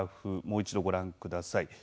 もう一度、ご覧ください。